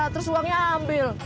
terus uangnya ambil